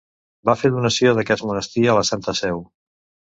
Va fer donació d'aquest monestir a la Santa Seu.